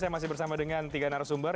saya masih bersama dengan tiga narasumber